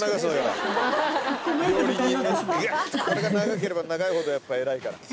これが長ければ長いほどやっぱりえらいから。